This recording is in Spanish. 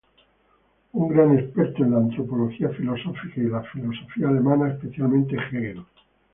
Un gran experto en la antropología filosófica y la filosofía alemana especialmente Hegel.